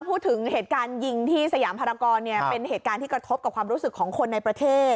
พูดถึงเหตุการณ์ยิงที่สยามภารกรเป็นเหตุการณ์ที่กระทบกับความรู้สึกของคนในประเทศ